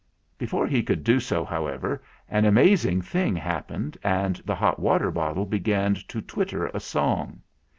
Before he could do so, however, an amaz ing thing happened, and the hot water bottle began to twitter a song.